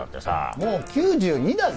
もう９２だぜ。